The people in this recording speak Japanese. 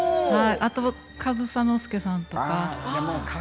あと上総介さんとか。